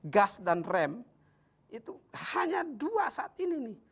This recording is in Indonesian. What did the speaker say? gas dan rem itu hanya dua saat ini nih